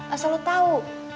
asal lo tau